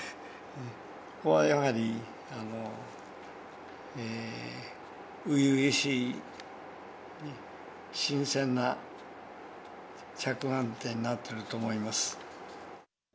ここはやはり、初々しい、新鮮な着眼点になってると思います。